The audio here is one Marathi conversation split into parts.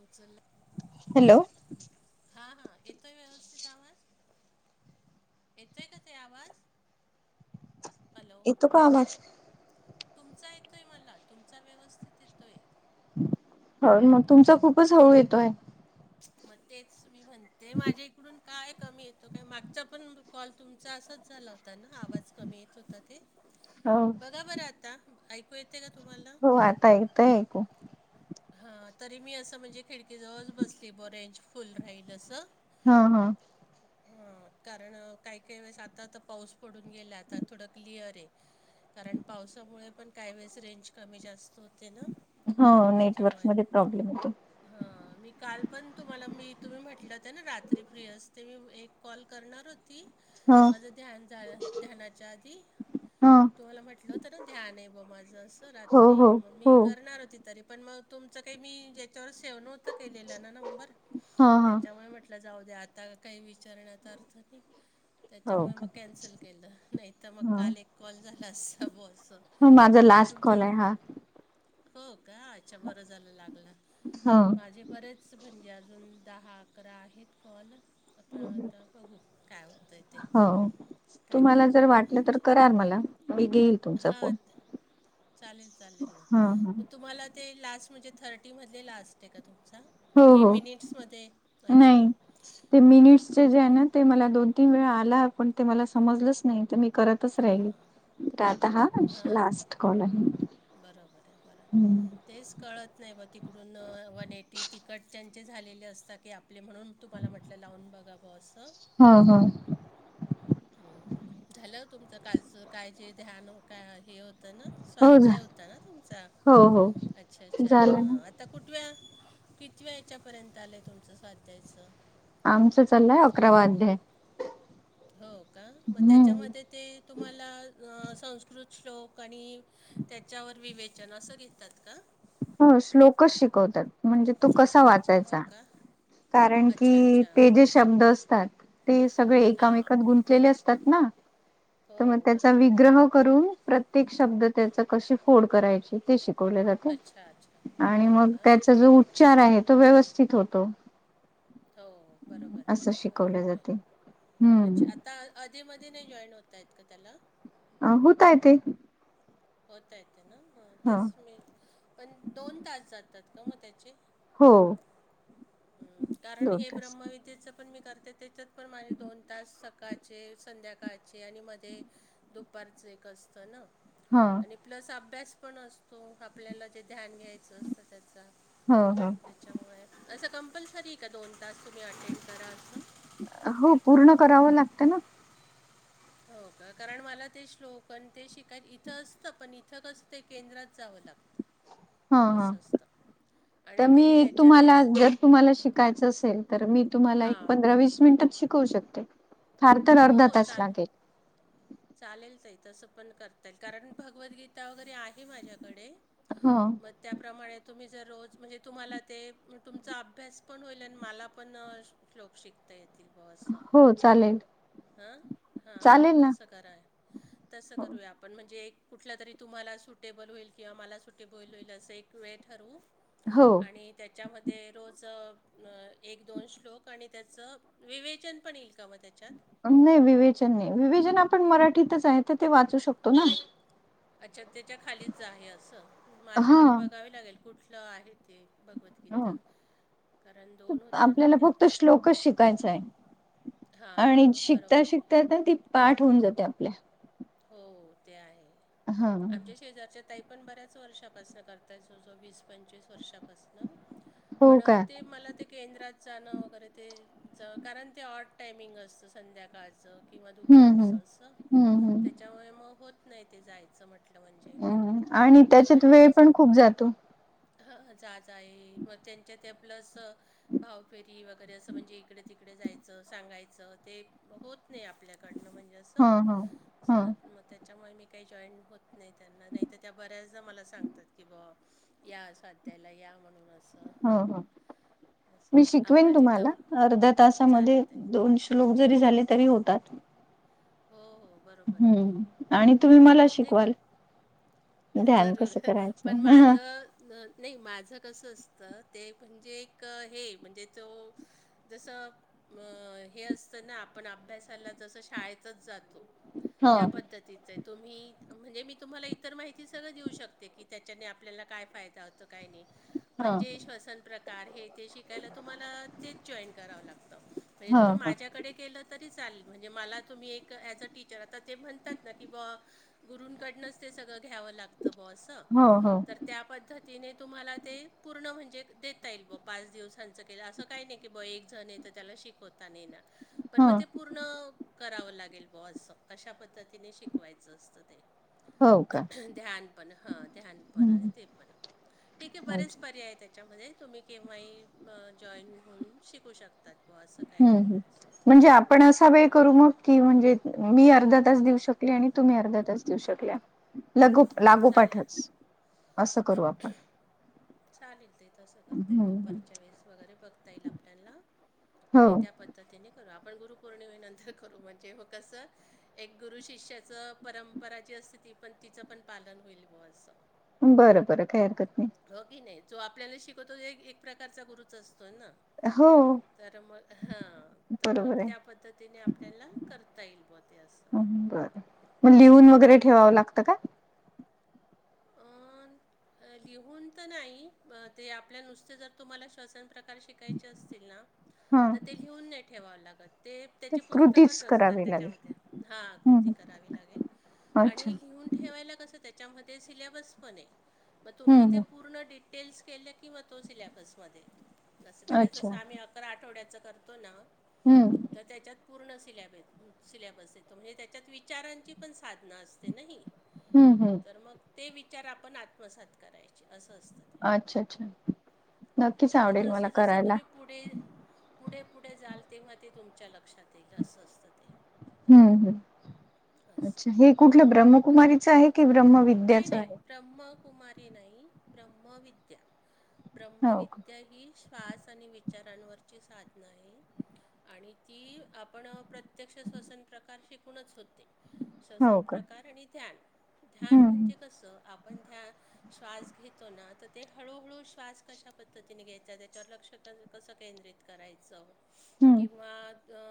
उचला हॅलो हा हा येतोय व्यवस्थित आवाज. येतोय का ताई आवाज हॅलो कोलाज तुमचा येतोय मला तुमचा व्यवस्थित येतोय. हो मग तुमचा खूपच हळू येतोय. म तेच मी म्हणते माझ्या इकडून काय कमी येतो काय मागचा पण कॉल तुमचा असाच झाला होता ना आवाज कमी येत होता ते हो. बघा बरं आता ऐकू येतय का तुम्हाला हो आता येतय ऐकू हा तरी मी असं म्हणजे खिडकीजवळच बसली ब रेंज फुल राहील असं हा हा हा कारण काय काय वेळेस आता त पाऊस पडून गेला आता थोडं क्लिअर ये. कारण पावसामुळे पण काही वेळेस रेंज कमी जास्त होते ना. हो त्याच्यामुळे. नेटवर्कमध्ये प्रॉब्लेम येतो. हा मी काल पण तुम्हाला मी तुम्ही म्हटलं होत ना रात्री फ्री असते मी एक कॉल करणार होती हा माझं ध्यान झालं ध्यानाच्या आधी हा तुम्हाला म्हटलं होत ना ध्यान आहे बुआ माझं असं हो रात्री हो म हो मी करणार होती. तरी पण म तुमच काय मी याच्यावर सेव नव्हत केलेलं ना नंबर हा हा त्याच्यामुळे म्हट जाऊ द्या आता काही विचारण्याचा अर्थ नही. हो त्याच्यामुळे का मग कॅन्सल केलं नाय तर म काल एक कॉल झाला असता बुआ असं ह माझा लास्ट कॉल आहे हा. हो का अच्छा बरं झालं लागला. हो. माझे बरेच म्हणजे अजून दहा अकरा आहेत कॉल आपण आता बघू काय होतंय ते हो काय तुम्हाला जर करणार वाटलं तर म्हणजे कराल मला मी घेईल तुमचा हां फोन. चालेल चालेल ना हा हा म तुम्हाला ते लास्ट म्हणजे थर्टीमधले लास्ट ये का तुमचा हो की हो मिनिट्समध्ये अच्छा नाई ते मिनिट्सचे जे हाय हां नं ते मला दोन तीन वेळा आला पण ते मला समजलंच नाही त मी करतच हां राहिली तर आता हा हां लास्ट कॉल आहे. बरोबर आहे बरोबर हम्म तेच कळत नाही ब तिकडून वन एटी तिकडच्याचे झालेले असता की आप आपले म्हणून तुम्हाला म्हटलं लावून बघावं असं हो हो. हम्म झालं तुमचं कालचं काय जे ध्यान काय हे हो त न हो झा स्वाध्याय होता ना तुमचा हो हो अच्छा अच्छा हा झालं ना आता कुठव्या कितव्या याच्यापर्यंत आलंय तुमचं स्वाध्यायच आमचं चाललंय अकरावादध्ये हो का मग त्याच्यामध्ये ते तुम्हाला संस्कृत श्लोक आणि त्याच्यावर विवेचन असं घेतात का हो श्लोक शिकवतात म्हणजे तू कस हो वाचायचा का कारण अच्छा की अच्छा ते जे शब्द असतात ते सगळे हां एकमेकात गुंतलेले असतात ना हो, तर मग त्याचा बरोबर आहे. विग्रह ून प्रत्येक शब्द त्या क फोड करायचे ते शिकवले जाते अच्छा, अच्छा. आणि हो मग का? त्याचा जो उच्चार आहे तो व्यवस्थित होतो हो बरोंबर असं आहे शिकवले बरोबर आहे जाते अच्छा हम्म आत् आता आधीमध्येध नाही जॉईन होत आहेत का त्याला अ होूतयेत होता येत ना ह तेच मी पण दोन तास जातात का मग त्याचे हो हम कारण दोन हे तास ब्रह्मविद्येचं पण मी करते त्याच्यात पमाणे दोन तास सकाळचे संध्याकाळचे आणि मध्ये दुपारच एक असतं ना हा आणि प्लस अभ्यास पण असतो आपल्याला जे ध्यान घ्यायचं असतं त्याचा हो हो त्या असं कंपलसरी का दोन तास तुम्ही अटेंड करा अस हो पूर्ण करावं लागतं ना हो का कारण मला ते श्लोकन ते शिकाय इथं असतं पण इथं कस ते केंद्रात जावं लागत [inaudible] असंस्त ह तर मी तुम्हाला जर तुम्हाला शिकायचं असेल तर मी तुम्हाला एक हां पंधरा वीस मिनिटातच शिकवू शकतेो फार तर हो अर्धा हो तास चा लागेल चालेल त तसं पण करता येईल कारण भगवद्गीता वगैरे आहे माझ्याकडे हा मग त्याप्रमाणे तुम्ही जर रोज म्हणजे तुम्हाला ते तुमचा अभ्यास पण होईल आणि मला पण श्लोक शिकता येतील ब हो चालेल हा हा चालेल ना तसं कराय तसं करूया आपण म्हणजे एक कुठलं तरी तुम्हाला सुटेबल होईल किंवा मला सुटेबल होईल असं तु ए ठर हो आणि त्याच्यामध्ये रोज एक दोन श्लोक आणि त्याचं विवेचन पण येईल का मग त्याच्यात नाही विवेचन नाही विवेचन आपण मराठीतच आहे तर ते वाचू शकतो ना अच्छा त्याच्या खालीच आहे असं हा माझ्याकडे बघावे लागेल कुठलं आहे ते भगवती ह ना आपल्याला त्या फक्त श्लोकच शिकायचा आहे हां आणि हां शिकता बरोबर आहे शिकता ना ती पाठ होऊन जाते आपल्या हो ते आहे हा. आमच्या शेजारच्या टाईप आपण बऱ्याच वर्षापासन करताय जो जो वीस पंचवीस वर्षापासन हो पण का ते मला ते केंद्रात जाणं वगैरे ते जा कारण ते हऑट टायमिंग असतं संध्याकाळचं किंवा दुपारचं असं हम हम त्याच्यामुळे मग होत नाही ते जायचं म्हट हम्म आणि त्याच्यात वेळ पण खूप जातो ह जा-जा ये-ये मग त्यांच्या त्या प्लस भावफेरी वगैरे असं म्हणजे इकडे तिकडे जायचं सांगायचं ते होत नाही आपल्याकडनं म्हणजेच हो हो. स मग त्याच्यामुळे मी काही जॉईट होत नाही त्यांना नाही तर त्या बऱ्याचदा मला सांगतात की बा या साध्याला या म्हणून अस. ह ह [inaudible] मी शिकवीन आपलं तुम्हाला जिथं अर्ध्या हां तासामध्ये चालेल ताई दोनशे लोक जरी झाले तरी होतात. हो हो. बरोबर आहे ताई हम्म आणि बरोबर तुम्ही मला आहे ते शिकवाल? ध्यान जरूर कसं करायचं. पण हं माझं नाही माझं कसं असतं ते म्हणजे एक हे म्हणजे तो जस अ हे असतं ना आपण अभ्यासाला जसं शाळेतच जातो. त्या हं पद्धतीच तुम्ही म्हणजे मी तुम्हाला इ इतर माहिती सगळ देऊ शकते की त्याच्याने आपल्याला काय फायदा होतो काय नाही [inaudible] पण हं [unintelligible] श्वसन प्रकार हे ते शिकायला तुम्हाला तेच जॉईन करावं लागतं म्हणजे तुम्ही हं माझ्याकडे केलं तरी चालेलं म्हणजे मला तुम्ही एक ॲज अ टीचर आता ते म्हणतात ना की [unintelligible] गुरूंकडनच ते सगळ घ्याव लागत [unintelligible] असं. हो हो त्या पद्धतीने तुम्हाला ते पूर्ण म्हणजे देता येईल ब पाच दिवसांचं. असं काही नाही की ब एक जण आहे तर त्याला शिकवता नाही येणार. पण हं मग पूर्ण करावं लागेल बॉस अशा पद्धतीने शिकवायचं असतं ते. हो का ध्यान पण ह ध्यान पण आणि हम्म ते पण ठीक आहे बरेच अच्छा पर्याय आहेत त्या त्याच्यामध्ये तुम्ही केव्हा ही जॉईन होऊन शिकू शकता. हम्म हं म्हणजे आपण असा वे करू असं मग की म्हणजे मी अर्धा तास देऊ शकली आणि तुम्ही अर्धा तास देऊ शकल्या. लगु चालेल लागूपाठच [inaudible] असं करू आपण. चालेल ते तसं करता येईल हम्म दुपारच्या वेळेस वगैरे बघता येईल आपल्याला आणि हो त्या बद्ल्या अता त्यांनी करू आपण गुरुपौर्णिमेनंतर करू म्हणजे म कसं एक गुरु शिष्याच परंपरा जी असते ती पण तिचं पण पालन होईल बं असं. बरं बरं काही हरकत नाही. हो की नाही जो आपल्याला शिकवतो एक- एक प्रकारचा गुरुच असतोय ना. हो. तर मग हा तर बरोबर मग आहे त्या पद्धतीने आपल्याला करता येईल ब ते असं. बरं मग लिहून वगैरे ठेवावं लागतं का? अं, लिहून तर नाही ब ते आपल्या नुसते जर तुम्हाला श्वसन प्रकार शि कायचे असतील ना हा तर ते लिहून नाही ठेवावं लागत. ते त्याचे कृतीच पुस्तकच असतात करावी लागेल त्याच्यामध्ये हा कृती हम्म करावी लागेल. आणि अच्छा लिहून ठेवायला कसं त्याच्यामध्ये सिलॅबस पण आहे मग हम्म तुम्ही ते हम्म पूर्ण डि टेल्स केल्या किंवा तो सिलॅबसमध्ये तो असं म्हणजे अच्छा जसं आम्ही तर आठवड्याच करतो ना. हम्म. तर त्याच्यात पूर्ण सिलॅब सिलॅबस येतो म्हणजे त्याच्यात विचारांची पण साधनां असते नाही. हम्. तर मग ते विचार आपण आत्मसात करायचे असं असतं. ते अच्छा, अच्छा नक्कीच ठीक आहे आवडेल मला जसं जसं करायला. तुम्ही पुढे, पुढे-पुढे जाल तेव्हा ते तुमच्या लक्षात येईल असं असतं ते. हम्म ह्, असं अच्छा हे कुठलं ब्रह्मकुमारीच आहे की ब्रह्मवि नाही नाही ब्रह्मकुमारी नाही ब्रह्मविद्या. हो का ब्रह्मविद्या ही श्वास आणि विचारांवरची साधनं आहे. आणि ती आपण प्रत्यक्ष श्वसन प्रकार शिकूनच होते. शवसन हो का प्रकार आणि ध्यान. ध्यान हम्म म्हणजे कसं आपण ध्यान श्वास घेतो ना तर ते हळूहळू श्वास कशा पद्धतीने घ्यायचा. त्याच्यावर लक्ष कस केंद्रित करायच [inaudible] किंवा अ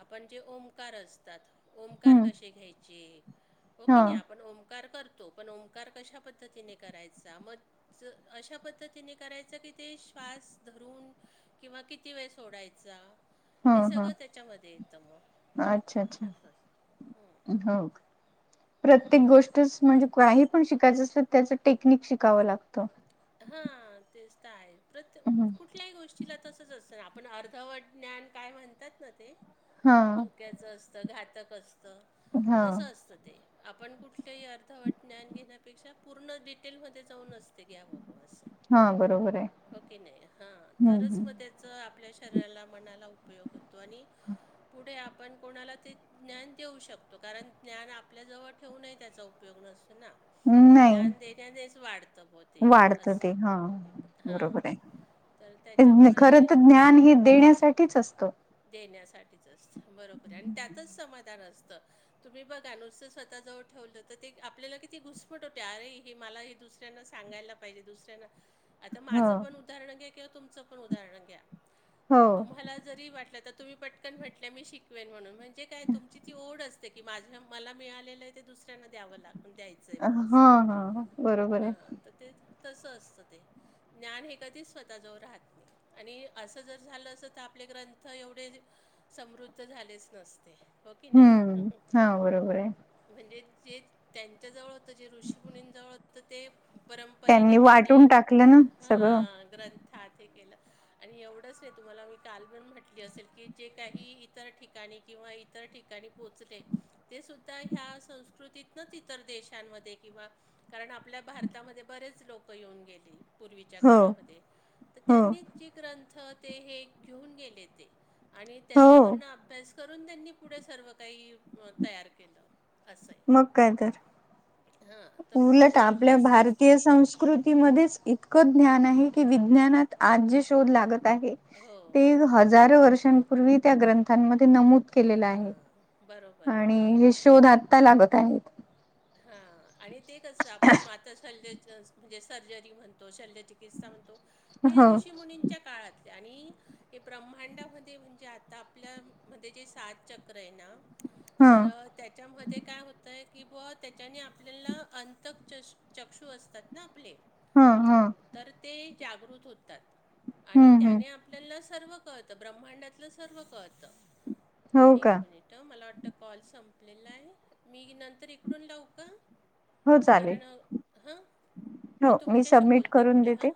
आपण जे ओमकार असतात. ओमकार हम्म हम्म कसे घ्यायचे. हो हा की नाही आप आपण ओंकार करतो. पण ओंकार कशा पद्धतीने करायचा. मग अशा पद्धतीने करायचं की ते श्वास धरून किंवा किती वेळ सोडायचा. हा हे सगळं त्याच्यामध्ये येतं मग अस. हम्म प्रत्येक गोष्टच म्हणजे काही पण शिकायच असल त्याच टेक्निक शिकाव लागत. हा तेच तर आहे. प्रत्ये कुठल्याही गोष्टीला तसंच असतं ना. आपण अर्धवट ज्ञान काय म्हणतात ना ते. हम्म धोक्याच असत. घातक असत. हा तस असत ते. आपण कुठलही अर्धवट ज्ञान घेण्यापेक्षा, पूर्ण डिटेलमध्ये जाऊनच ते घ्याव. [unintelligible] हा बरोबर आहे. हो कि नाही. हा हम्म तरच मग त्याच आपल्या शरीराला मनाला उपयोग होतो. आणि पुढे आपण कोणाला ते ज्ञान देऊ शकतो. कारण ज्ञान आपल्याजवळ ठेवूनही त्याचा उपयोग नसतो ना. हम्म नाही ज्ञान देण्यानेच वाढत बवा ते वाढतं अस. ते हा बरोबर तर आहे. खर त्याच्यामुळे तर ज्ञान हे देण्यासाठीच असत. देण्यासाठीच असत. बरोबर आहे. आणि त्यातच समाधान असत. तुम्ही बघा नुसतं स्वतः जवळ ठेवलं तर ते आपल्याला किती घुसमट होते. अरे हे मला हे दुसर दुसऱ्यांना सांगायला पाहिजे. दुसऱ्याना आता ह माझ पण उदाहरण घ्या. किंवा तुमचं पण उदाहरण घ्या. हो तुम्हाला जरी वाटल तर तुम्ही पटकन म्हटल्या मी शिकवेन म्हणून. म्हणजे काय तुमची ती ओढ अस की माझ्या मला मिळालेलं आहे ते दुसऱ्यांना द्याव लागत. द्यायचं आहे हा बवा अस. हा बरोबर आहे हा तर ते तस असत ते. ज्ञान हे कधीच स्वतः जवळ राहत नाही. आणि असं जर झाल असत तर आपले ग्रंथ एवढे समृद्ध झालेच नसते. हो की हम्म नाही हा बरोबर आहे. म्हणजे जे त्यांच्या जवळ होत. जे ऋषी मुनींजवळ होत ते. परंपरेने त्यांनी वाटून टाकलं ना सगळं हा ग्रंथा ते केल. आणि एवढंच नाही तुम्हाला मी काल पण म्हटली असेल की, जे काही इतर ठिकाणी किंवा इतर ठिकाणी पोहचले. ते सुद्धा ह्या संस्कृतीतनच इतर देशांमध्ये किंवा कारण आपल्या भारतामध्ये बरेच लोक येऊन गेली. पूर्वीच्या हो काळामध्ये तर हो त्यांनी जे ग्रंथ ते हे घेऊन गेले ते. आणि हो त्याच्यावरन अभ्यास करून त्यांनी पुढे सर्व काही तयार केल अस आहे. मग काय तर हां तर म्हणजे उलट मग आपल्या आपलीच भारतीय संस्कृती संस्कृ कृतीमध्येच इतकं ज्ञान आहे की, विज्ञानात आज जे शोध लागत आहे हो ते हजारो वर्षांपूर्वी त्या ग्रंथांमध्ये नमूद केलेलं आहे. हां बरोबर आहे आणि हे बरोबर शोध आत्ता लागत आहेत. हा आणि ते कस आपण आता शल्य म्हणजे सर्जरी म्हणतो. शल्यचिकित्सा म्हणतो. हे हो ऋषी मुनींच्या काळातले आणि हे ब्रह्मांडामध्ये म्हणजे आता आपल्या मध्ये जे सात चक्र आहे ना ह तर त्याच्यामध्ये काय होतय की व त्याच्याने आपल्याला अंतक चष चक्षू असतात ना आपले हम हम तर ते जागृत होतात आणि हम्म हम्म त्याने आप आपल्याला सर्व कळतं ब्रह्मांडातलं सर्व कळतं हो एक का मिनिट मला वाटतं कॉल संपलेला आहे मी नंतर इकडून लाऊ का हो चालेल कारण हं मी हो तुमच्याशी सबमिट बोलते करून पुढे हा देते.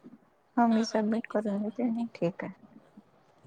मी हा हां ठीक सबमिट आहे करून चालेल देते ठीक आहे हां ठीक